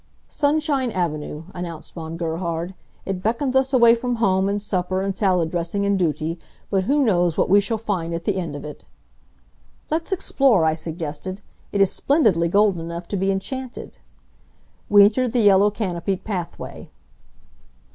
"Sunshine Avenue," announced Von Gerhard. "It beckons us away from home, and supper and salad dressing and duty, but who knows what we shall find at the end of it!" "Let's explore," I suggested. "It is splendidly golden enough to be enchanted." We entered the yellow canopied pathway.